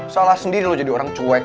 salah sendiri loh jadi orang cuek